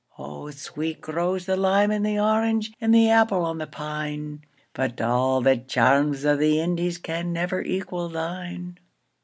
O sweet grows the lime and the orange, And the apple on the pine; But a' the charms o' the IndiesCan never equal thine.